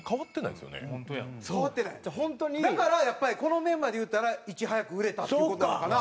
だからやっぱりこのメンバーでいうたらいち早く売れたっていう事やから。